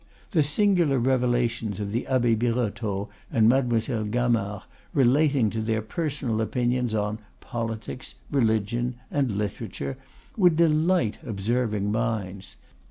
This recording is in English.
The singular revelations of the Abbe Birotteau and Mademoiselle Gamard relating to their personal opinions on politics, religion, and literature would delight observing minds.